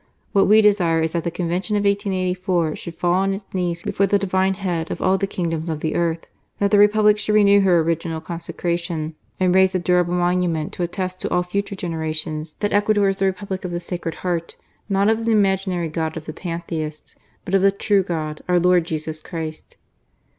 ■.. What we desire is that the Convention of 1884 should fall on its knees before the Divine Head of all the kingdoms of the earth ; that the Republic should renew her original consecration and raise a durable monument to attest to all future generations that Ecuador is the Republic of the Sacred Heart, not of the imaginary God of the Pantheists, but of the true God, our Lord Jesus Christ."